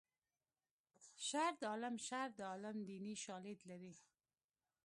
شر د عالم شر د عالم دیني شالید لري